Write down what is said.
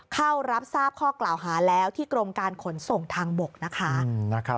เข้ารับทราบข้อกล่าวหาแล้วที่กรมการขนส่งทางบกนะคะ